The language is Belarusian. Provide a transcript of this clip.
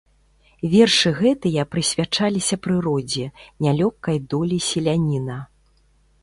Вершы гэтыя прысвячаліся прыродзе, нялёгкай долі селяніна.